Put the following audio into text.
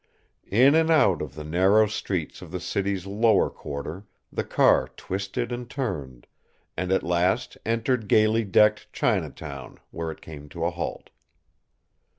In and out of the narrow streets of the city's lower quarter the car twisted and turned, and at last entered gaily decked Chinatown, where it came to a halt.